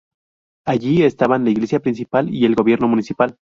Allí estaban la iglesia principal y el gobierno municipal.